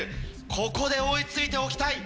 ここで追いついておきたい。